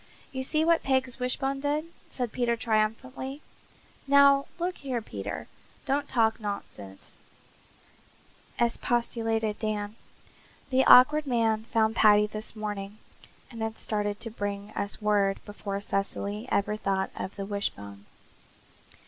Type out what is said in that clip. "You see what Peg's wishbone did," said Peter triumphantly. "Now, look here, Peter, don't talk nonsense," expostulated Dan. "The Awkward Man found Paddy this morning and had started to bring us word before Cecily ever thought of the wishbone.